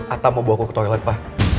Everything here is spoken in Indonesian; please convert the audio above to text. ata mau bawa gue ke toilet pa